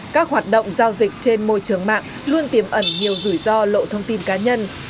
các hoạt động giao dịch trên môi trường mạng luôn tiềm ẩn nhiều rủi ro lộ thông tin cá nhân